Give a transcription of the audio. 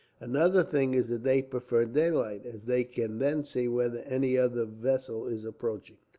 "Another thing is that they prefer daylight, as they can then see whether any other vessel is approaching.